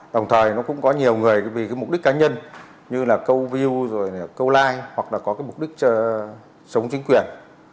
đồng thời nó cũng có nhiều người vì mục đích cá nhân như là câu view câu like hoặc là có mục đích sống chính quyền